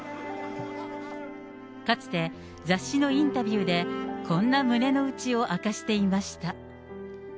かつて、雑誌のインタビューで、こんな胸の内を明かしていました。